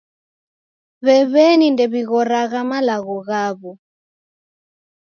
W'ew'eni ndew'ighoragha malagho ghaw'o.